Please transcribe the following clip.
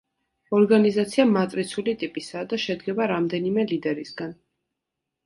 ორგანიზაცია მატრიცული ტიპისაა და შედგება რამდენიმე ლიდერისგან.